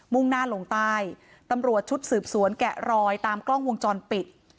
่งหน้าลงใต้ตำรวจชุดสืบสวนแกะรอยตามกล้องวงจรปิด